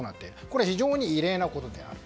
これは非常に異例のことである。